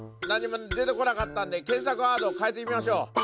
何も出てこなかったんで検索ワードを変えてみましょう！